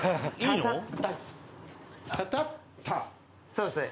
そうですね。